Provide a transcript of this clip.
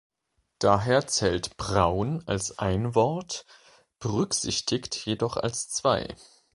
Daher zählt "braun" als ein Wort, "berücksichtigt" jedoch als zwei.